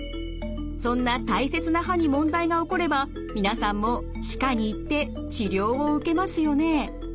そんな大切な歯に問題が起これば皆さんも歯科に行って治療を受けますよね。